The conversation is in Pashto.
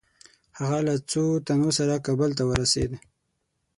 هغه له څو تنو سره کابل ته ورسېد.